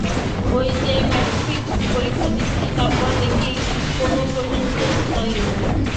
ঐ যে, ম্যাট্রিক পরীক্ষা দিচ্ছি, তারপর দেখি কোনো প্রশ্নের উত্তর জানি না।